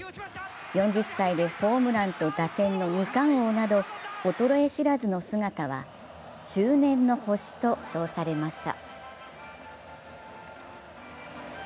４０歳でホームランと打点の二冠王など衰え知らずの姿は中年の星と称されました。